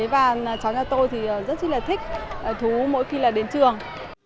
và cháu nhà tôi thì rất rất là thích thú mỗi khi là đến trường